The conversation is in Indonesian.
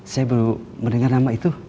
saya baru mendengar nama itu